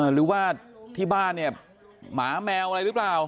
หรือว่าที่บ้านเนี่ยหมาแมวอะไรหรือเปล่า